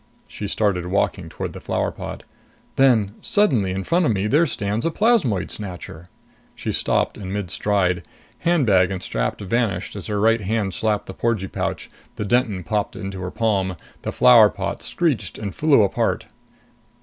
She started walking toward the flower pot. "Then, suddenly, in front of me, there stands a plasmoid snatcher." She stopped in mid stride. Handbag and strap vanished, as her right hand slapped the porgee pouch. The Denton popped into her palm. The flower pot screeched and flew apart.